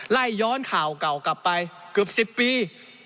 ไล่ย้อนข่าวเก่ากลับไปเกือบ๑๐ปี